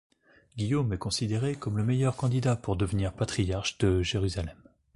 Guillaume est considéré comme le meilleur candidat pour devenir patriarche de Jérusalem.